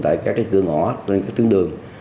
tại các trái cưa ngõ trên các tuyến đường